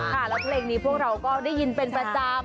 แล้วเพลงนี้พวกเราก็ได้ยินเป็นประจำ